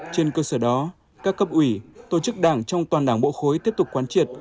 trên cơ sở đó các cấp ủy tổ chức đảng trong toàn đảng bộ khối tiếp tục quán triệt